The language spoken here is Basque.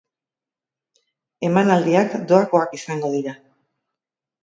Emanaldiak doakoak izango dira.